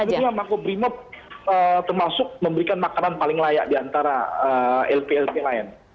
sejujurnya mako brimob termasuk memberikan makanan paling layak diantara lp lp lain